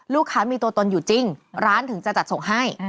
ลูกค้ามีตัวตนอยู่จริงร้านถึงจะจัดส่งให้